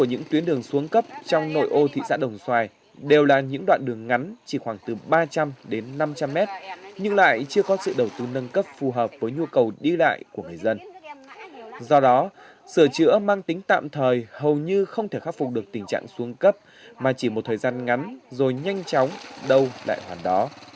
một tuyến đường khác nằm trong nội ô thị xã đồng xoài thuộc đường hùng vương đến sở nông nghiệp và phát triển nông thôn tỉnh bình phước thuộc đường hùng vương đến sở nông nghiệp và phát triển nông thôn tỉnh bình phước